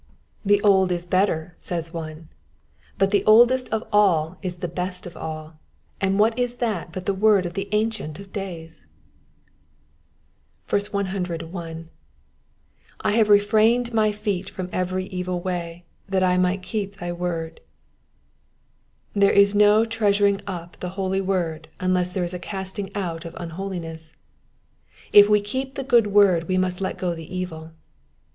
"The old is better'* says one: but the oldest of all is the best of all, and what is that bat the word of the Ancient of days ? 101. / have refrained my feet from every evil way^ that I might Jceep thy fcord,''^ There is no treasuring up the holy word unless there is a casting out of all unholjness : if we keep the good word we must let go the evil.